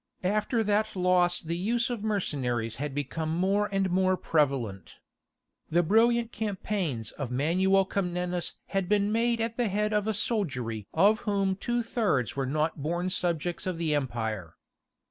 After that loss the use of mercenaries had become more and more prevalent. The brilliant campaigns of Manuel Comnenus had been made at the head of a soldiery of whom two thirds were not born subjects of the empire.